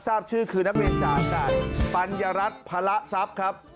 ทราบชื่อคือนักเรียนจากอาจารย์ปัญญารัฐพระทรัพย์ครับ